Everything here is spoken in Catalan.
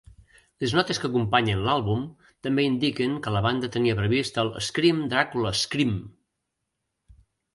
Les notes que acompanyen l'àlbum també indiquen que la banda tenia previst el Scream, Dracula, Scream!